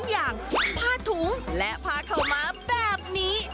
อย่างผ้าถุงและผ้าขาวม้าแบบนี้